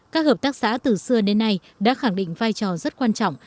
các hợp tác xã từ xưa đến nay đã khẳng định vai trò rất quan trọng